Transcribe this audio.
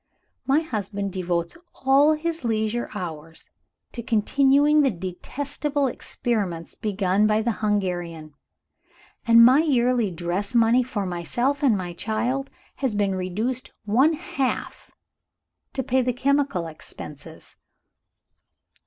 My husband devotes all his leisure hours to continuing the detestable experiments begun by the Hungarian; and my yearly dress money for myself and my child has been reduced one half, to pay the chemical expenses.